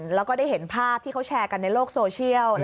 แล้วก็ได้เห็นภาพที่เขาแชร์กันในโลกโซเชียล